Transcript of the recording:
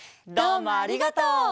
どうもありがとう！